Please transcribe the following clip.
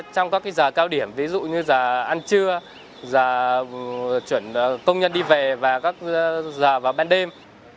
trong các giờ cao điểm ví dụ như giờ ăn trưa giờ chuẩn công nhân đi về và các giờ vào ban đêm